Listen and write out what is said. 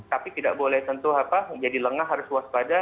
tapi tidak boleh tentu apa jadi lengah harus waspada